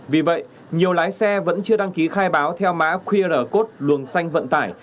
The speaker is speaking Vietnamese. vì vậy nhiều lái xe vẫn chưa đăng ký khai báo theo mã qr code luồng xanh vận tải